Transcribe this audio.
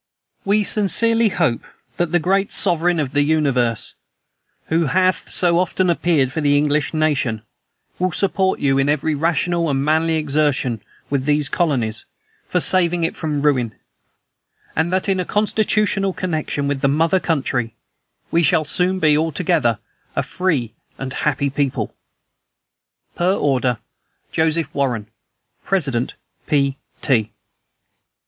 "We sincerely hope that the great Sovereign of the universe, who hath so often appeared for the English nation, will support you in every rational and manly exertion, with these colonies, for saving it from ruin; and that, in a constitutional connection with the mother country, we shall soon be altogether a free and happy people. "Per order: "JOSEPH WARREN, _President, P. T.